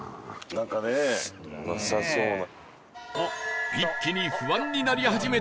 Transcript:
なんかねなさそうな。